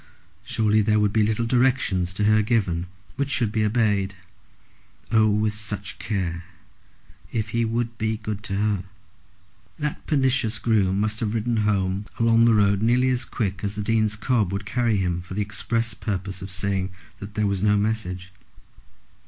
Surely there would be little directions to her given, which should be obeyed, oh, with such care, if he would be good to her. That pernicious groom must have ridden home along the road nearly as quick as the Dean's cob would carry him for the express purpose of saying that there was no message.